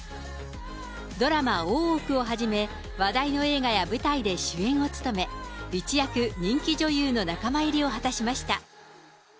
ドラマ、大奥をはじめ、話題の映画や舞台で主演を務め、一躍人気女優の仲間入りを果たしました。